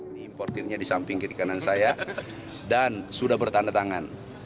ini importernya di samping kiri kanan saya dan sudah bertanda tangan